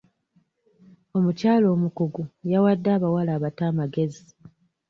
Omukyala omukugu yawadde abawala abato amagezi.